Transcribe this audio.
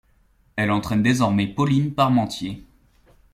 Elle entraîne désormais Pauline Parmentier.